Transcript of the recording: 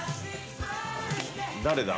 誰だ？